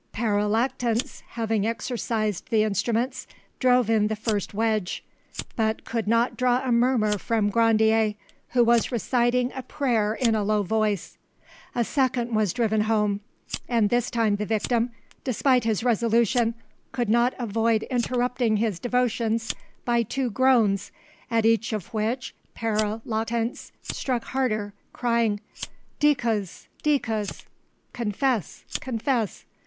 Pere Lactance having exorcised the instruments, drove in the first wedge, but could not draw a murmur from Grandier, who was reciting a prayer in a low voice; a second was driven home, and this time the victim, despite his resolution, could not avoid interrupting his devotions by two groans, at each of which Pere Lactance struck harder, crying, "Dicas! dicas!" (Confess, confess!)